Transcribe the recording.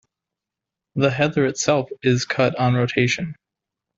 The heather itself is cut on rotation.